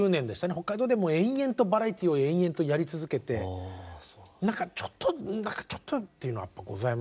北海道で延々とバラエティーを延々とやり続けて何かちょっと何かちょっとというのはございましたね。